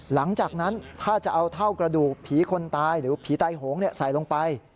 หลังจากนั้นถ้าจะเอาเท่ากระดูกผีคนตายหรือผีตายโหงใส่ลงไป